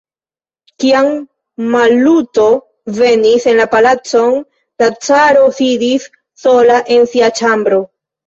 Kiam Maluto venis en la palacon, la caro sidis sola en sia ĉambro.